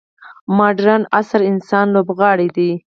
مډرن عصر انسان لوبغاړی دی.